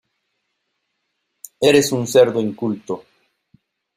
Eres un cerdo inculto.